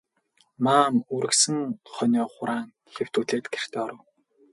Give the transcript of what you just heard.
Маам үргэсэн хонио хураан хэвтүүлээд гэртээ оров.